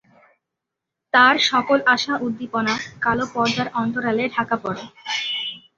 তার সকল আশা উদ্দীপনা কালো পর্দার অন্তরালে ঢাকা পড়ে।